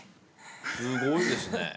すごいですね。